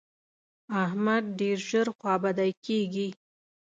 احمد ډېر ژر خوابدی کېږي.